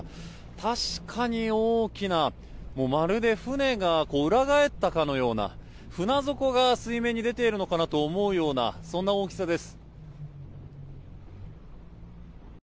確かに大きな、まるで船が裏返ったかのような船底が水面に出ているのかなと思うようなそんな大きさです。